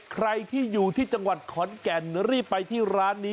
ใครที่อยู่ที่จังหวัดขอนแก่นรีบไปที่ร้านนี้